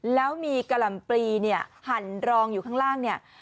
แล้วมีกะหล่ำปลีเนี่ยหั่นรองอยู่ข้างล่างเนี่ย